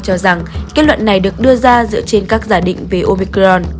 cho rằng kết luận này được đưa ra dựa trên các giả định về opicron